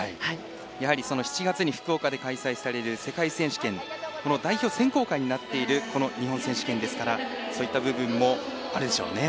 やはり７月に福岡で開催される世界選手権代表選考会になっているこの日本選手権ですからそういった部分もあるでしょうね。